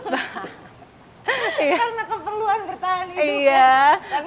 karena keperluan bertahan hidup